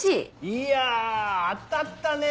いや当たったね！